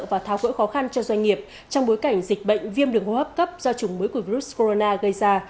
và tháo cỡ khó khăn cho doanh nghiệp trong bối cảnh dịch bệnh viêm đường hô hấp cấp do chủng mới của virus corona gây ra